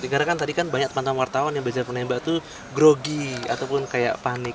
karena kan tadi kan banyak teman teman wartawan yang belajar menembak itu grogi ataupun kayak panik